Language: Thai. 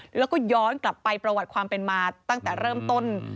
แล้วก็ย้อนกลับไปประวัติความเป็นมาตั้งแต่เริ่มต้น